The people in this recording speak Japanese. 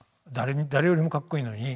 誰よりもかっこいいのに。